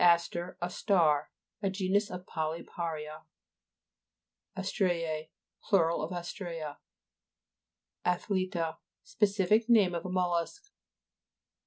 aster, a star. A genus of poly pa'ria. (p. 141.) ASTKE';E Plur. of Astrea. ATHLE'TA Specific name of mol lusk.